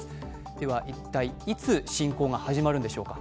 では一体いつ侵攻が始まるのでしょうか。